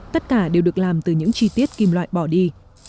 tất cả đều được làm từ những chi tiết kim loại bỏ đi